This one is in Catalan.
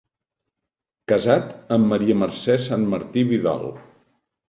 Casat amb Maria Mercè Santmartí Vidal.